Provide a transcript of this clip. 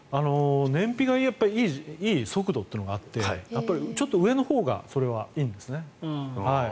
燃費がいい速度というのがあってちょっと上のほうがそれはいいんですね。